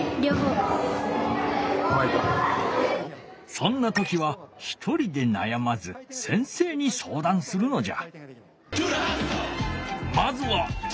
そんな時はひとりでなやまず先生にそうだんするのじゃ。